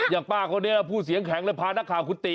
อย่างป้าคนนี้พูดเสียงแข็งเลยพานักข่าวคุณติ